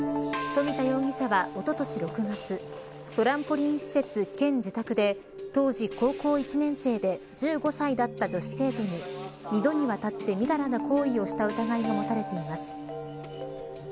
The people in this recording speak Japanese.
富田容疑者は、おととし６月トランポリン施設兼自宅で当時高校１年生で１５歳だった女子生徒に２度にわたってみだらな行為をした疑いが持たれています。